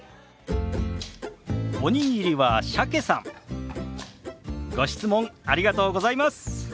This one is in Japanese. おにぎりは鮭さんご質問ありがとうございます。